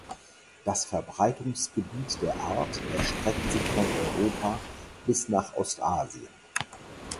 Das Verbreitungsgebiet der Art erstreckt sich von Europa bis nach Ostasien.